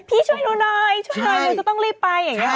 พี่ช่วยหนูได้ช่วยหนูจะต้องรีบไป